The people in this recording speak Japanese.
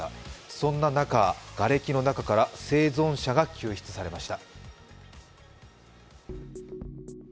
そんな中、がれきの中から生存者が救出されました。